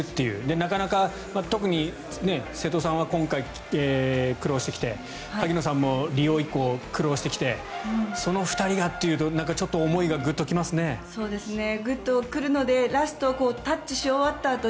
なかなか特に瀬戸さんは今回、苦労してきて萩野さんもリオ以降苦労してきてその２人がというとちょっと思いがグッと来ますね。